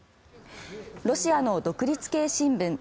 ロシアの独立系新聞